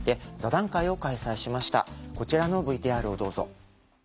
こちらのＶＴＲをどうぞ。